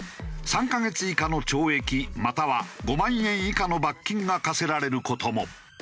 ３カ月以下の懲役または５万円以下の罰金が科せられる事も。